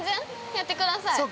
やってください。